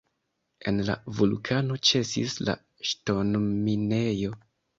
En la vulkano ĉesis la ŝtonminejo.